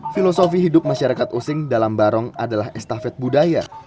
filosofi hidup masyarakat using dalam barong adalah estafet budaya